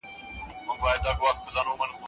تاريخ د تېرو پېښو يوه رښتينې هنداره ده.